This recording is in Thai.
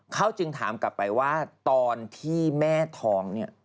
เขาจึงถามกลับไปว่าตอนที่แม่ท้องเนี่ย